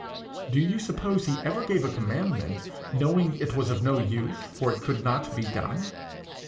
Do you suppose he ever gave a commandment knowing it was of no use for it could not be done?